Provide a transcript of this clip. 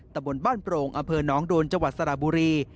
แต่บนบ้านโปร่งอเบอร์น้องโดนจังหวัดสระบุรี